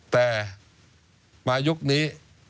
แต่มายุคนี้